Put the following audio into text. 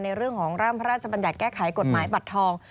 เรื่องของร่างพระราชบัญญัติแก้ไขกฎหมายบัตรทอง